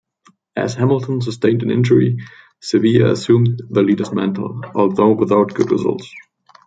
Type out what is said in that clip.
As Hamilton sustained an injury, Sevilla assumed the leader's mantle, although without good results.